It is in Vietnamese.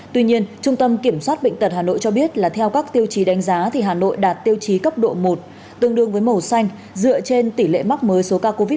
tuy nhiên trung tâm kiểm soát bệnh tật hà nội cho biết là theo các tiêu chí đánh giá thì hà nội đạt tiêu chí cấp độ một tương đương với màu xanh dựa trên tỷ lệ mắc mới số ca covid một mươi chín